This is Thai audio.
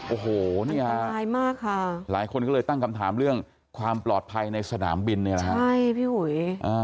โอ้โหนี่ฮะหลายคนก็เลยตั้งคำถามเรื่องความปลอดภัยในสนามบินเนี่ยนะฮะใช่พี่หุย